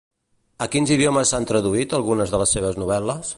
A quins idiomes s'han traduït algunes de les seves novel·les?